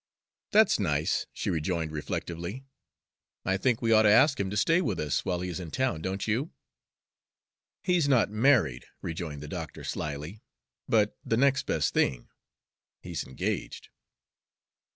"That's nice," she rejoined reflectively. "I think we ought to ask him to stay with us while he is in town, don't you?" "He's not married," rejoined the doctor slyly, "but the next best thing he's engaged."